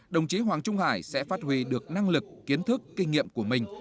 đồng chí hoàng trung hải sẽ phát huy được năng lực kiến thức kinh nghiệm của mình